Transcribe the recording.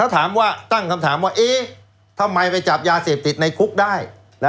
ถามว่าตั้งคำถามว่าเอ๊ะทำไมไปจับยาเสพติดในคุกได้